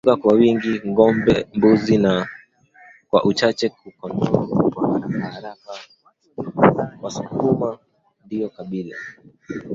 wanafuga kwa wingi ngombembuzi na kwa uchache kondooKwa harakaharaka wasukuma ndio kabila